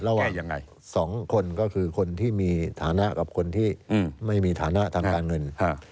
แล้วว่ายังไงสองคนก็คือคนที่มีฐานะกับคนที่ไม่มีฐานะทางการเงิน